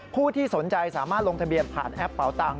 ผู้ที่สนใจสามารถลงทะเบียนผ่านแอปเป่าตังค